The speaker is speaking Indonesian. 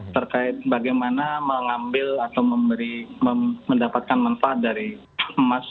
terkait bagaimana mengambil atau mendapatkan manfaat dari emas